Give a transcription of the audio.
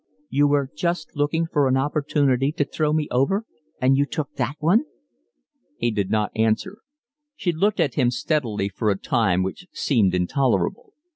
"You were just looking for an opportunity to throw me over and you took that one?" He did not answer. She looked at him steadily for a time which seemed intolerable.